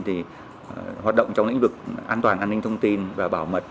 thì hoạt động trong lĩnh vực an toàn an ninh thông tin và bảo mật